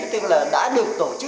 tức là đã được tổ chức cho vào